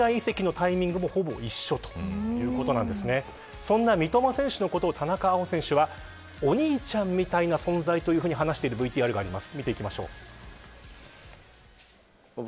そんな三笘選手のことを田中碧選手はお兄ちゃんみたいな存在と話しているＶＴＲがあります。